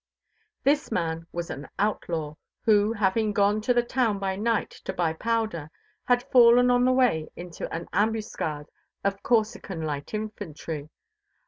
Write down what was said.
This man was an outlaw, who, having gone to the town by night to buy powder, had fallen on the way into an ambuscade of Corsican light infantry.